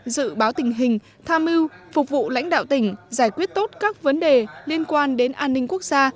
dự báo tình hình tham mưu phục vụ lãnh đạo tỉnh giải quyết tốt các vấn đề liên quan đến an ninh quốc gia